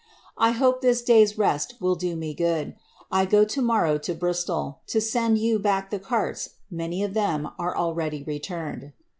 'I hope this day's rest will do me good. 1 go to morrow to Bristol, to send joa back the carts ; many of them are already returned.